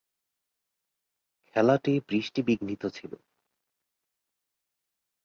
খেলাটি বৃষ্টিবিঘ্নিত ছিল।